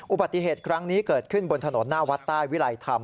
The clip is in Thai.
อุบัติเหตุครั้งนี้เกิดขึ้นบนถนนหน้าวัดใต้วิลัยธรรม